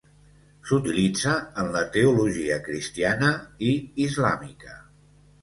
S'utilitza en la teologia cristiana i islàmica.